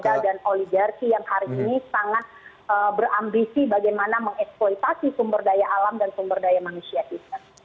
modal dan oligarki yang hari ini sangat berambisi bagaimana mengeksploitasi sumber daya alam dan sumber daya manusia kita